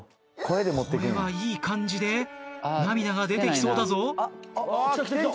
これはいい感じで涙が出てきそうだぞ。